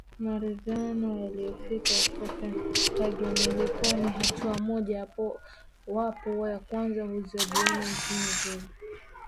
maridhiano yaliofikia copen hagen ilikuwa ni hatua moja wapo ya kwanza kuzibana nchi zile